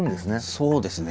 そうですね。